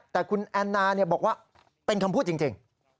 แต่คุณแอนนาบอกว่าเป็นคำพูดจริง